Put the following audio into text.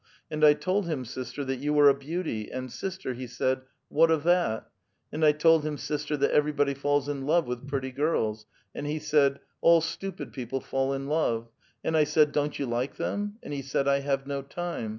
And I told him, sister, that you were a beauty, and, sister, he said, ' What of that? ' And I told him, sister, * that everybody falls in love with pretty girls '; and he said, * All stupid people fall in love '; and I said ' Don't 3'ou like them?' and he said, ' I have no time.'